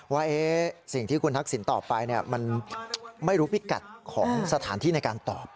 ว่าสิ่งที่คุณทักษิณตอบไปมันไม่รู้พิกัดของสถานที่ในการตอบ